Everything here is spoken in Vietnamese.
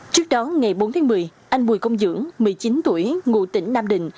trước đó ngày bốn tháng một mươi anh bùi công dưỡng một mươi chín tuổi ngụ tỉnh nam định